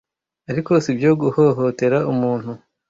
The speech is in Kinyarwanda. ariko sibyo guhohotera umuntu